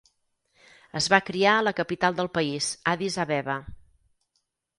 Es va criar a la capital del país, Addis Abeba.